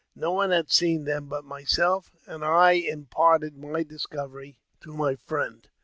No one had seen them but myself, and I imparted my discovery to my friend.